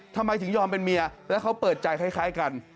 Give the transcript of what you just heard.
ทำไมถึงยอมเป็นเมียแล้วเขาเปิดใจคล้ายกัน